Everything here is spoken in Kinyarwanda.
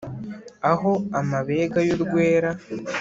Aho amabega y'urwera